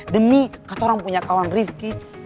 demi kata orang punya kawan rifki